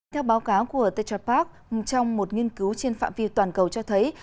theo báo cáo của tetra park trong một nghiên cứu trên phạm vi toàn cầu cho thấy